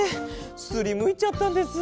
すりむいちゃったんです。